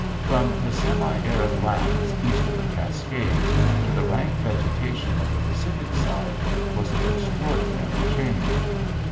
From the semi arid lands east of the Cascades to the rank vegetation of the Pacific side was an extraordinary change.